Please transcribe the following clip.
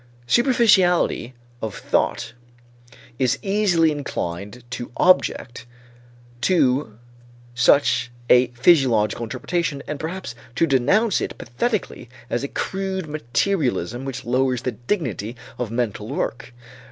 Superficiality of thought is easily inclined to object to such a physiological interpretation and perhaps to denounce it pathetically as a crude materialism which lowers the dignity of mental work.